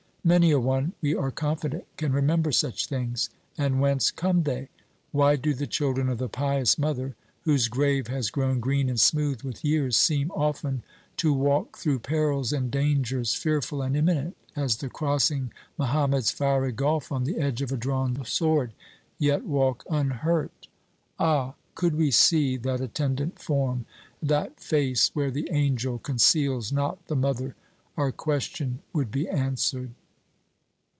Many a one, we are confident, can remember such things and whence come they? Why do the children of the pious mother, whose grave has grown green and smooth with years, seem often to walk through perils and dangers fearful and imminent as the crossing Mohammed's fiery gulf on the edge of a drawn sword, yet walk unhurt? Ah! could we see that attendant form, that face where the angel conceals not the mother, our question would be answered.